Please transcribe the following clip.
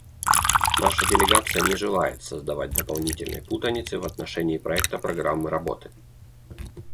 Наша делегация не желает создавать дополнительной путаницы в отношении проекта программы работы.